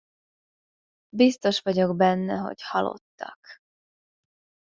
Biztos vagyok benne, hogy halottak!